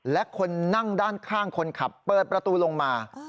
และคนนั่งด้านข้างคนขับเปิดประตูลงมา